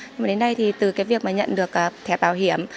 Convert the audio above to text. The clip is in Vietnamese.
nhưng mà đến nay thì từ cái việc mà nhận được thẻ bảo hiểm